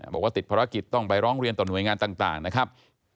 บอกว่าติดภารกิจต้องไปร้องเรียนต่อหน่วยงานต่างนะครับ